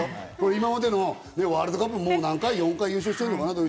今までのワールドカップ、４回優勝してるのかな？